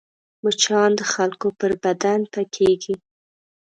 مچان د خلکو پر بدن پکېږي